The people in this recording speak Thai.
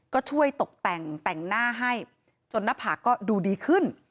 ก็ช่วยตกแต่งแต่งหน้าให้จนหน้าผากก็ดูดีขึ้น